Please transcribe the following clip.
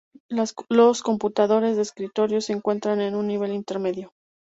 Los computadores de escritorio se encuentran en un nivel intermedio.